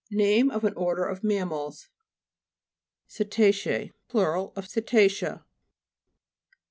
Name of an order of mam mals. CETA'CEJE Plur. of ceta'cea.